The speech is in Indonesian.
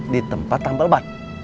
di tempat nambel ban